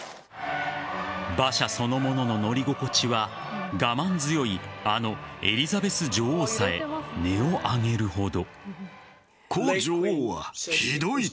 馬車そのものの乗り心地は我慢強いあのエリザベス女王さえ音を上げるほど。